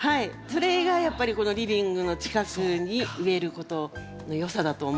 それがやっぱりこのリビングの近くに植えることのよさだと思うんです。